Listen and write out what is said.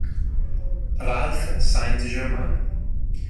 Ralph Saint-Germain